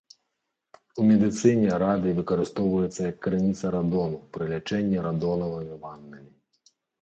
У медыцыне радый выкарыстоўваецца як крыніца радону пры лячэнні радонавымі ваннамі.